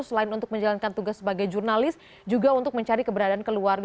selain untuk menjalankan tugas sebagai jurnalis juga untuk mencari keberadaan keluarga